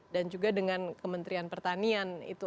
dan juga dengan kementerian pertanian itu